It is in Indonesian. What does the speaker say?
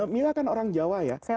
mila kan orang jawa ya